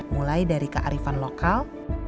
mulai dari kearifan lokal